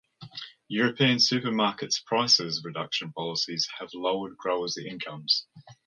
European supermarkets' price-reduction policies have lowered growers' incomes.